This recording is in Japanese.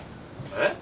えっ？